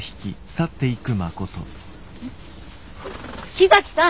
木崎さん！